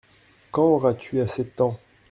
Quand auras-tu assez de temps ?